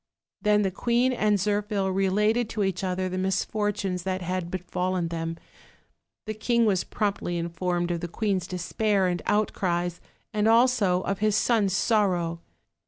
Then the queen and Zirphil related to each other the misfortunes that had befallen them. The king was promptly informed of the queen's despair and outcries, as also of his son's sorrow.